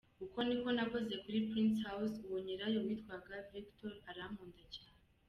Uko niko nakoze kuri Prince House, uwo nyirayo witwaga Victor arankunda cyane.